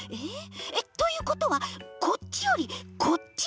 えっということはこっちよりこっち？